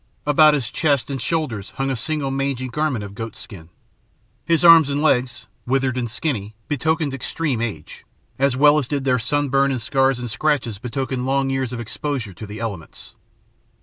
About his chest and shoulders hung a single, mangy garment of goat skin. His arms and legs, withered and skinny, betokened extreme age, as well as did their sunburn and scars and scratches betoken long years of exposure to the elements.